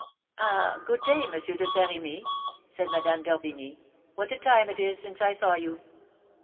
"Ah, good day, M. de Saint Remy," said Madame d'Orbigny; "what a time it is since I saw you!"